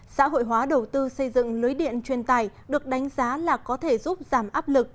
xã hội hóa đầu tư xây dựng lưới điện truyền tài được đánh giá là có thể giúp giảm áp lực